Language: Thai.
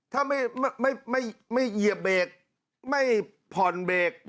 ถ้าไม่เหยียบเบรกไม่ผ่อนเบรก